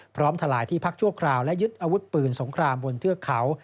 ทลายที่พักชั่วคราวและยึดอาวุธปืนสงครามบนเทือกเขา